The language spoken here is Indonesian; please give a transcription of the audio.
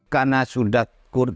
karena sudah kurdik